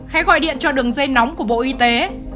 hãy gọi điện cho đường dây nóng của bộ y tế